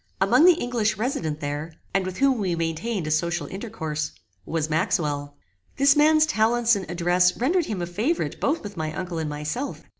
Among the English resident there, and with whom we maintained a social intercourse, was Maxwell. This man's talents and address rendered him a favorite both with my uncle and myself.